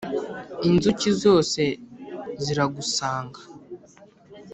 inzuki zose ziragusannga